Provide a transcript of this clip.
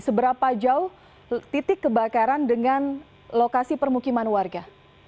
seberapa jauh titik kebakaran dengan lokasi permukiman warga